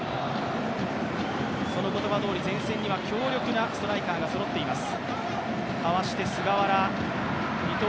その言葉どおり、前線には強力なストライカーがそろっています。